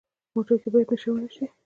موټر کې باید نشه ونه شي.